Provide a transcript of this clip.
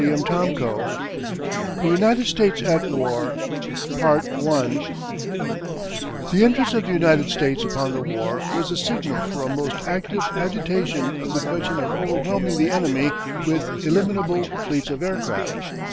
CHAPTER IX THE UNITED STATES AT WAR The entrance of the United States upon the war was the signal for a most active agitation of the question of overwhelming the enemy with illimitable fleets of aircraft.